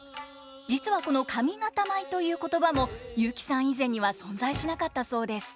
実はこの上方舞という言葉も雄輝さん以前には存在しなかったそうです。